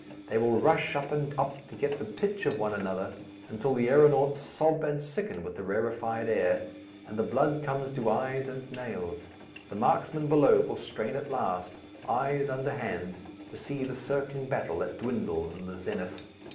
They will rush up and up to get the pitch of one another, until the aeronauts sob and sicken in the rarefied air, and the blood comes to eyes and nails. The marksmen below will strain at last, eyes under hands, to see the circling battle that dwindles in the zenith.